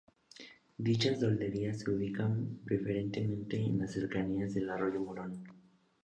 Dichas tolderías se ubicaban preferentemente en las cercanías del arroyo Morón.